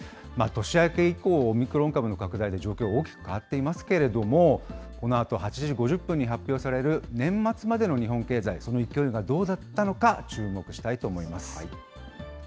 年明け以降、オミクロン株の拡大で、状況は大きく変わっていますけれども、このあと８時５０分に発表される、年末までの日本経済、その勢いがどうだったのか注目したいと思います。